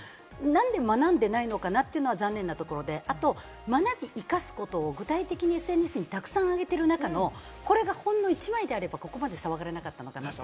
何で学んでないのかな？というのは残念なところで、あと学び、生かすことを具体的にＳＮＳにたくさん上げている中のこれがほんの１枚であれば、ここまで騒がれなかったのかなと。